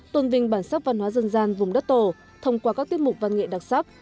tôn vinh bản sắc văn hóa dân gian vùng đất tổ thông qua các tiết mục văn nghệ đặc sắc